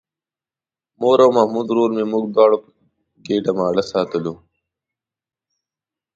مور او محمود ورور مې موږ دواړه په ګېډه ماړه ساتلو.